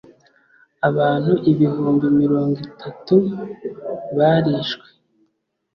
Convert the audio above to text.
abantu ibihumbi mirongo itatu barishwe